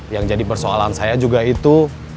yang jadi persoalan saya juga itu